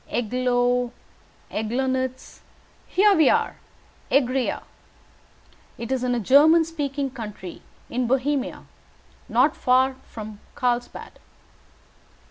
"Eglow, Eglonitz here we are, Egria. It is in a German speaking country in Bohemia, not far from Carlsbad.